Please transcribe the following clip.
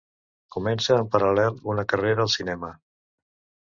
Comença en paral·lel una carrera al cinema.